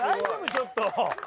ちょっと。